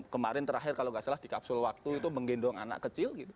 kemarin terakhir kalau nggak salah di kapsul waktu itu menggendong anak kecil gitu